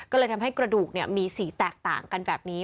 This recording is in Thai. ก็เลยทำให้กระดูกมีสีแตกต่างกันแบบนี้